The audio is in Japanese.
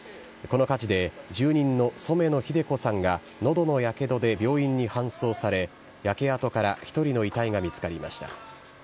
この火事で、住人の染野ひで子さんがのどのやけどで病院に搬送され、焼け跡から１人の遺体が見つかりました。